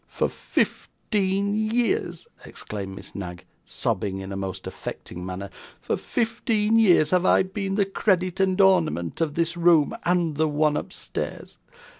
'For fifteen years,' exclaimed Miss Knag, sobbing in a most affecting manner, 'for fifteen years have I been the credit and ornament of this room and the one upstairs.